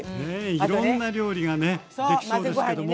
いろんな料理がねできそうですけども。